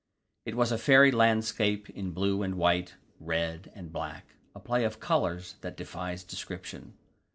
It was a fairy landscape in blue and white, red and black, a play of colours that defies description.